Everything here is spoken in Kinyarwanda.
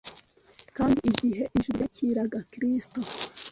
Kandi igihe ijuru ryakiraga Kristo